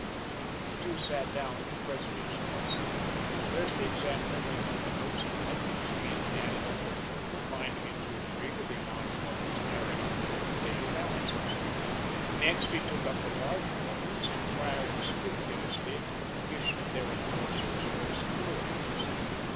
The two sat down at the president's desk. First, the examiner went through the notes at lightning speed, and added up their total, finding it to agree with the amount of loans carried on the book of daily balances. Next, he took up the larger loans, inquiring scrupulously into the condition of their endorsers or securities.